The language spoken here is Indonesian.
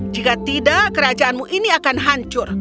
jika tidak kerajaanmu ini akan hancur